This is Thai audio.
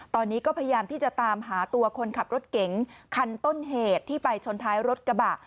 ตอนนี้ก็พยายามที่จะตามหาตัวคนขับรถเก๋งคันต้นเหตุที่ไปชนท้ายรถกระบะ